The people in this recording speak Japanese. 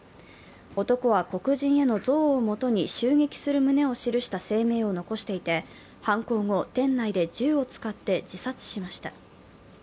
男は、黒人への憎悪をもとに襲撃する旨を記した声明を残していて犯行後、店内で銃を使って自殺しました。